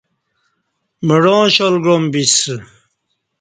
مڑاں شال گعام بِسہ